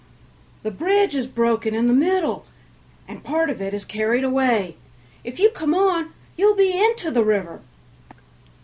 "The bridge is broken in the middle, and part of it is carried away; if you come on you'll be into the river."